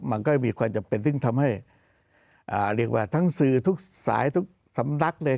มันก็มีความจำเป็นซึ่งทำให้เรียกว่าทั้งสื่อทุกสายทุกสำนักเลย